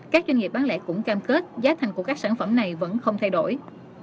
các doanh nghiệp bán lẻ cũng cam kết giá thành của các sản phẩm này vẫn không thay đổi